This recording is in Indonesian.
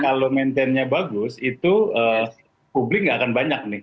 kalau maintain nya bagus itu publik gak akan banyak nih